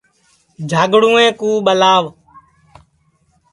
جھاگڑوویں کُو ٻلاؤ